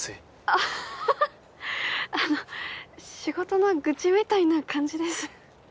アッハハあの仕事の愚痴みたいな感じです。